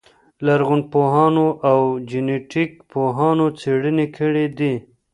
لرغونپوهانو او جنټیک پوهانو څېړنې کړې دي.